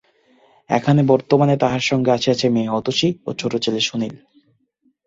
এখানে বর্তমানে তাঁহার সঙ্গে আসিয়াছে মেয়ে অতসী ও ছোট ছেলে সুনীল।